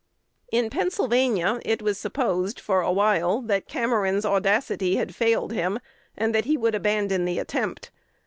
In Pennsylvania it was supposed for a while that Cameron's audacity had failed him, and that he would abandon the attempt.